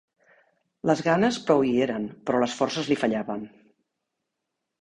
Les ganes prou hi eren, però les forces li fallaven.